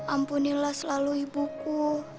ampunilah selalu ibuku